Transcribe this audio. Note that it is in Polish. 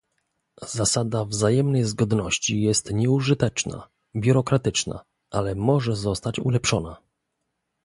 Zasada wzajemnej zgodności jest nieużyteczna, biurokratyczna, ale może zostać ulepszona